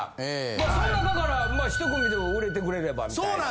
まあその中から１組でも売れてくれればみたいな。